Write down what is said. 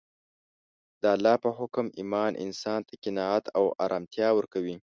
د الله په حکم ایمان انسان ته قناعت او ارامتیا ورکوي